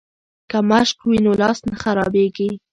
که مشق وي نو لاس نه خرابیږي.